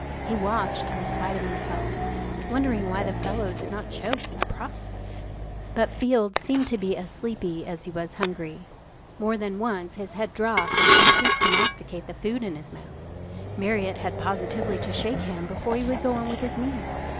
He watched in spite of himself, wondering why the fellow did not choke in the process. But Field seemed to be as sleepy as he was hungry. More than once his head dropped and he ceased to masticate the food in his mouth. Marriott had positively to shake him before he would go on with his meal.